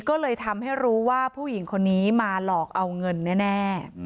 ก็เลยทำให้รู้ว่าผู้หญิงคนนี้มาหลอกเอาเงินแน่